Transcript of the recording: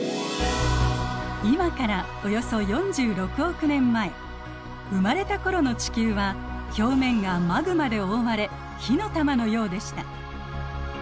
今からおよそ生まれた頃の地球は表面がマグマで覆われ火の玉のようでした。